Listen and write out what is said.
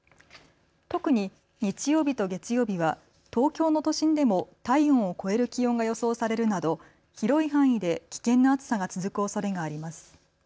特に日曜日と月曜日は東京の都心でも体温を超える気温が予想されるなど広い範囲で危険な暑さが続くおそれがあります。